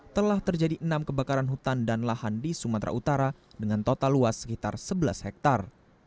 telah terjadi enam kebakaran hutan dan lahan di sumatera utara dengan total luas sekitar sebelas hektare